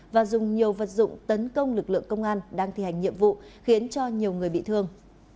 và dùng nhiều vật dụng tấn công lực lượng công an đang thi hành nhiệm vụ khiến cho nhiều người bị thương